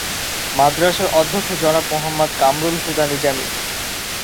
মাদ্রাসার অধ্যক্ষ জনাব মোহাম্মদ কামরুল হুদা নিজামী।